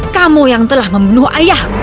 kamu yang telah membunuh alipati arya